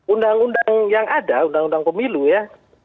undang undang yang ada undang undang pemilu ya